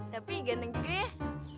tapi ganteng juga ya